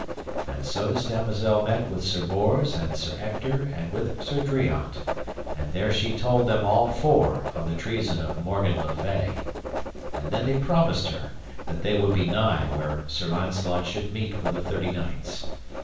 And so this damosel met with Sir Bors and Sir Ector and with Sir Driant, and there she told them all four of the treason of Morgan le Fay; and then they promised her that they would be nigh where Sir Launcelot should meet with the thirty knights.